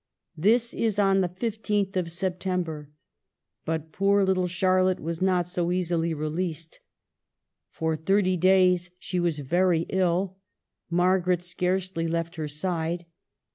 This is on the 15th of September. But poor little Charlotte was not so easily released ; for thirty days she was very ill. Margaret scarcely left her side.